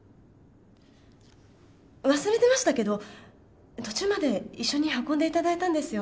忘れてましたけど途中まで一緒に運んでいただいたんですよ